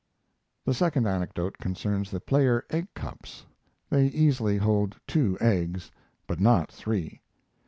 The second anecdote concerns The Player egg cups. They easily hold two eggs, but not three.